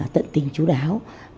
tận tình chú đáo